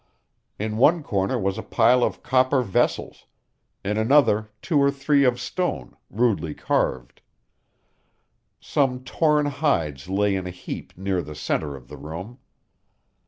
In one corner was a pile of copper vessels; in another two or three of stone, rudely carved. Some torn hides lay in a heap near the center of the room.